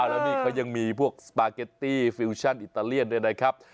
แล้วนี่เขายังมีพวกสปาเก็ตตี้ฟิวชั่นอิตาเลียนด้วยนะครับ